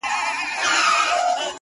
او ښه په ډاگه درته وايمه چي!